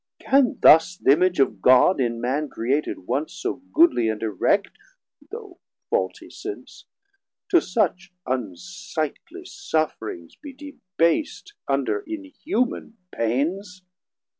Can thus Th' Image of God in man created once So goodly and erect, though faultie since, To such unsightly sufferings be debas't Under inhuman pains?